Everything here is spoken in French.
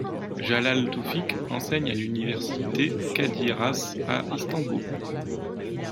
Jalal Toufic enseigne à l'université Kadir Has à Istanbul.